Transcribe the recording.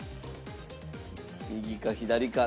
右か左か。